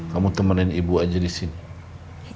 kamu temenin ibu aja di sini